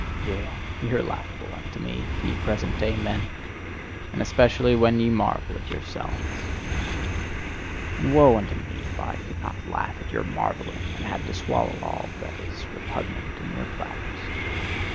Yea, ye are laughable unto me, ye present day men! And especially when ye marvel at yourselves! And woe unto me if I could not laugh at your marvelling, and had to swallow all that is repugnant in your platters!